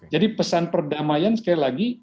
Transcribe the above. jadi pesan perdamaian sekarang itu harus dihentikan